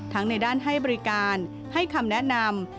ในด้านให้บริการให้คำแนะนำ